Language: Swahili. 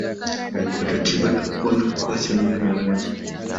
Alipata tiba na kupona kwa asilimia mia moja.